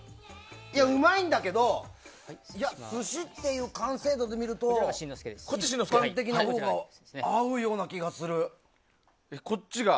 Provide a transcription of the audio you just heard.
いや、うまいんだけど寿司っていう完成度で見ると一般的なほうが合うような気がする。